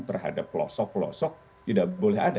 terhadap pelosok pelosok tidak boleh ada